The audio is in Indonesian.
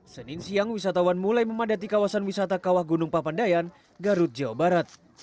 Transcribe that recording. senin siang wisatawan mulai memadati kawasan wisata kawah gunung papandayan garut jawa barat